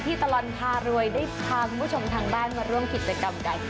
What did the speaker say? ตลอดพารวยได้พาคุณผู้ชมทางบ้านมาร่วมกิจกรรมกัน